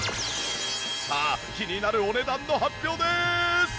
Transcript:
さあ気になるお値段の発表です！